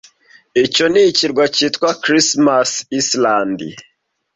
Icyo ni ikirwa kitwa Christmas Island